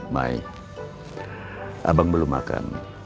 mai abang belum makan